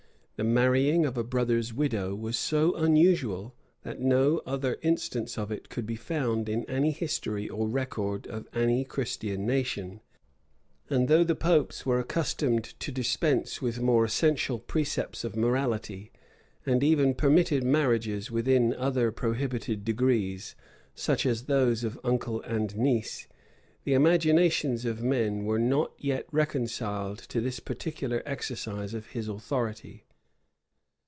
The marrying of a brother's widow was so unusual, that no other instance of it could be found in any history or record of any Christian nation; and though the popes were accustomed to dispense with more essential precepts of morality, and even permitted marriages within other prohibited degrees, such as those of uncle and niece, the imaginations of men were not yet reconciled to this particular exercise of his authority.